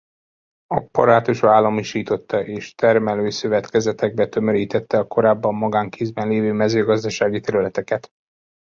Apparátusa államosította és termelőszövetkezetekbe tömörítette a korábban magánkézben lévő mezőgazdasági területeket.